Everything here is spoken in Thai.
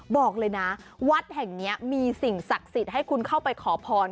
บอกเลยนะวัดแห่งนี้มีสิ่งศักดิ์สิทธิ์ให้คุณเข้าไปขอพร